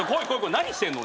何してんの？